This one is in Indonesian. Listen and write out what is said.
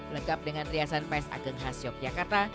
lengkap dengan riasan pais ageng khas yogyakarta